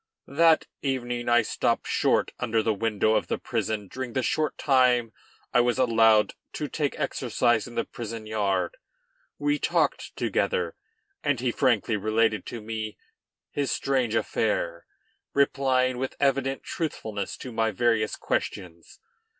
That evening I stopped short under the window of the prison during the short time I was allowed to take exercise in the prison yard. We talked together, and he frankly related to me his strange affair, replying with evident truthfulness to my various questions.